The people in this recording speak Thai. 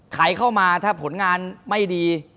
ใครเข้ามาถ้าผลงานไม่ดี